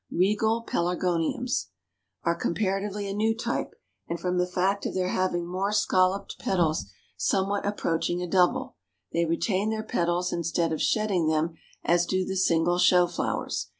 REGAL PELARGONIUMS Are comparatively a new type, and from the fact of their having more scalloped petals, somewhat approaching a double; they retain their petals instead of shedding them as do the single show flowers.